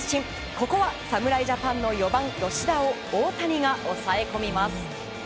ここは侍ジャパンの４番、吉田を大谷が抑え込みます。